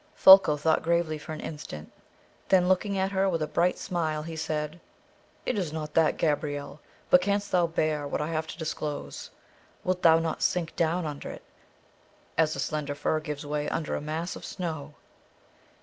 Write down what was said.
Folko thought gravely for one instant; then looking at her with a bright smile, he said: "It is not that, Gabrielle; but canst thou bear what I have to disclose? Wilt thou not sink down under it, as a slender fir gives way under a mass of snow?"